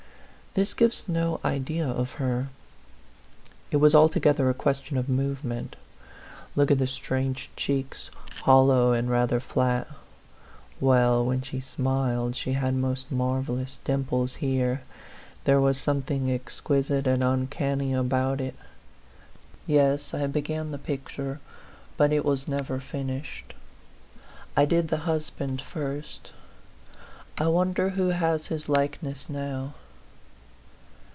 This gives no idea of her. It was altogether a question of movement. Look at the strange cheeks, hollow and rather flat ; well, when she smiled, she had most marvellous dimples here. There was something exquisite and uncanny about it. Yes ; I began the picture, but it was never finished. I did the husband first ; I wonder who has his likeness now?